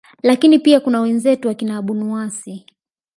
lakini pia kuna wenzetu wakina abunuasi